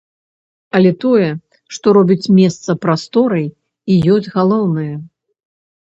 Але тое, што робіць месца прасторай, і ёсць галоўнае.